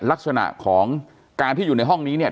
ลักษณะของการที่อยู่ในห้องนี้เนี่ย